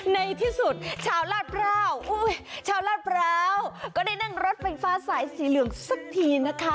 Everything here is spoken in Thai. ในที่สุดชาวราชคราจี้วก็ได้นั่งรถไฟฟ้าสายสีเหลืองสักทีนะคะ